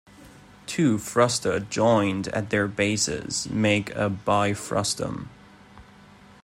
Two frusta joined at their bases make a bifrustum.